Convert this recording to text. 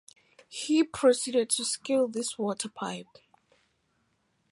He proceeded to scale this water pipe.